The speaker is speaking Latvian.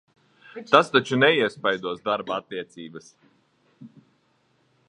Tas taču neiespaidos darba attiecības?